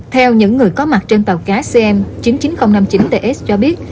theo những người có mặt trên tàu cá cm chín mươi chín nghìn năm mươi chín ts cho biết